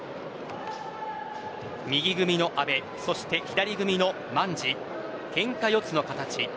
右組みの阿部そして左組みのマンジケンカ四つの形。